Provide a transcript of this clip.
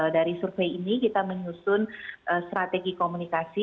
dari survei ini kita menyusun strategi komunikasi